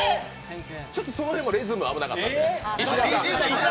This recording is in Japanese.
ちょっと、その辺リズム危なかったので。